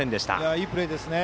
いいプレーですね。